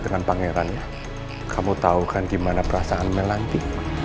dengan pangerannya kamu tahu kan gimana perasaan melantik